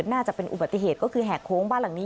น่าจะเป็นอุบัติเหตุก็คือแหกโค้งบ้านหลังนี้